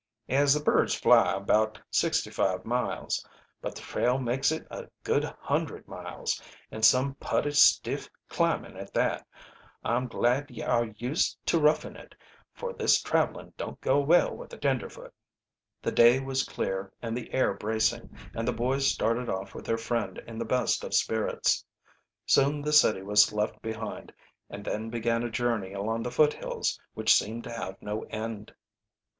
"As the birds fly about sixty five miles. But the trail makes it a good hundred miles, and some putty stiff climbin' at that. I'm glad ye are used to roughin' it, for this traveling don't go well with a tenderfoot." The day was clear and the air bracing, and the boys started off with their friend in the best of spirits. Soon the city was left behind, and then began a journey along the foothills which seemed to have no end.